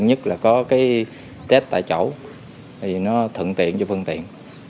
đặc biệt nhất là có cái test tại chỗ thì nó thận tiện cho phương tiện